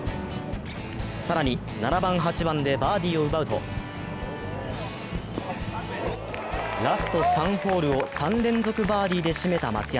更に７番、８番でバーディーを奪うとラスト３ホールを３連続バーディーで締めた松山。